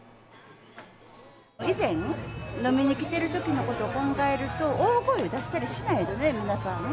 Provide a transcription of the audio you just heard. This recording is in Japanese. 以前、飲みに来てるときのことを考えると、大声を出したりしないですよね、皆さんね。